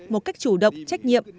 một cách chủ động trách nhiệm